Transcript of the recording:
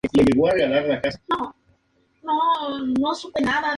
Posteriormente, la compañía cambió a la producción de material de guerra.